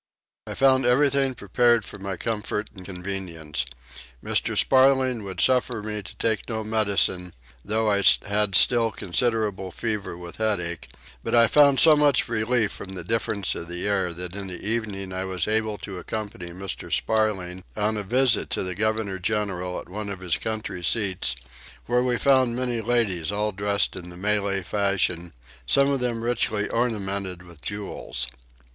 I found everything prepared for my comfort and convenience. Mr. Sparling would suffer me to take no medicine though I had still considerable fever with headache: but I found so much relief from the difference of the air that in the evening I was able to accompany Mr. Sparling on a visit to the governor general at one of his country seats, where we found many ladies all dressed in the Malay fashion, some of them richly ornamented with jewels.